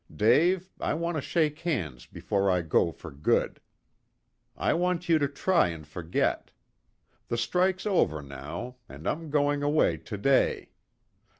Dave, I want to shake hands before I go for good. I want you to try and forget. The strike's over now, and I'm going away to day.